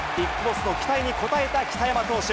ＢＩＧＢＯＳＳの期待に応えた北山投手。